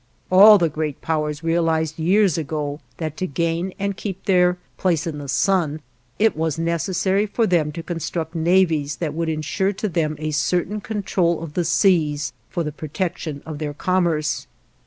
All the great Powers realized years ago that, to gain and keep their "place in the sun," it was necessary for them to construct navies that would insure to them a certain control of the seas for the protection of their commerce.